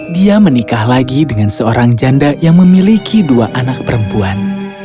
dia menikah lagi dengan seorang janda yang memiliki dua anak perempuan